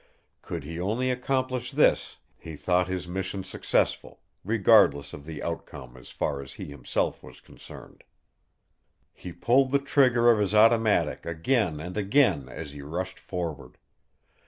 Could he only accomplish this, he thought his mission successful, regardless of the outcome as far as he himself was concerned. He pulled the trigger of his automatic again and again as he rushed forward.